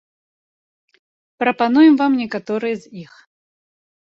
Прапануем вам некаторыя з іх.